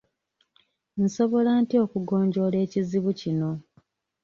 Nsobola ntya okugonjoola ekizibu kino?